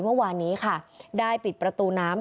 เมื่อวานนี้ค่ะได้ปิดประตูน้ำ